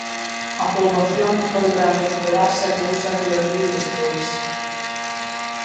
A poboación non volverá a recuperarse até un século e medio despois.